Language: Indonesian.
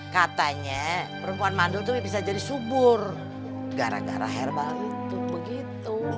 katanya perempuan mandu itu bisa jadi subur gara gara herbal itu begitu